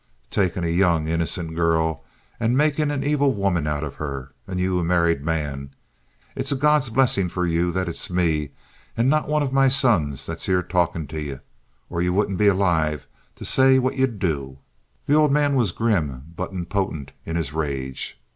Takin' a young, innocent girl and makin' an evil woman out of her, and ye a married man! It's a God's blessin' for ye that it's me, and not one of me sons, that's here talkin' to ye, or ye wouldn't be alive to say what ye'd do." The old man was grim but impotent in his rage.